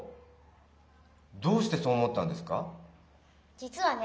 実はね